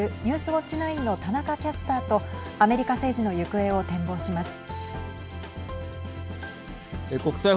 ウオッチ９の田中キャスターとアメリカ政治の行方を展望します。